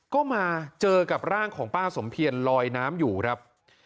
ก็มาเจอกับร่างของป้าสมเพียรลอยน้ำอยู่ครับ